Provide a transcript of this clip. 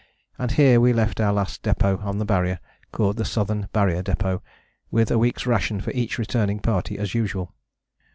and here we left our last depôt on the Barrier, called the Southern Barrier Depôt, with a week's ration for each returning party as usual.